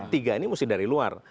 tiga ini mesti dari luar